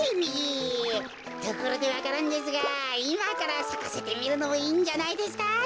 ところでわか蘭ですがいまからさかせてみるのもいいんじゃないですか？